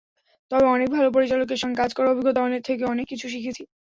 তবে অনেক ভালো পরিচালকের সঙ্গে কাজ করার অভিজ্ঞতা থেকে অনেক কিছু শিখেছি।